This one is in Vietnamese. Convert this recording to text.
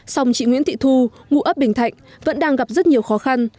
sông trị nguyễn thị thu ngũ ấp bình thạnh vẫn đang gặp rất nhiều khó khăn